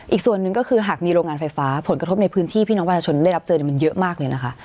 อีกส่วนหนึ่งก็คือหากมีโรงงานไฟฟ้าผลกระทบในพื้นที่พี่น้องประชาชนได้รับเจอมันเยอะมากเลยนะคะ